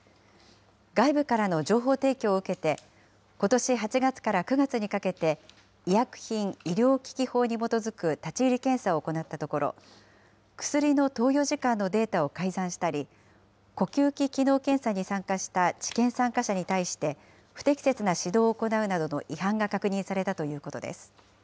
外部からの情報提供を受けて、ことし８月から９月にかけて、医薬品医療機器法に基づく立ち入り検査を行ったところ、薬の投与時間のデータを改ざんしたり、呼吸器機能検査に参加した治験参加者に対して、不適切な指導を行うなどの違反が確認されたということです。